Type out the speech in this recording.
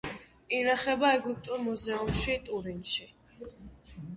ინახება ეგვიპტურ მუზეუმში, ტურინში.